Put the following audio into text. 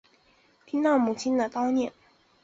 听到母亲的叨念